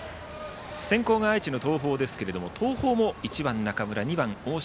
先攻が愛知の東邦ですが東邦も１番の中村、２番の大島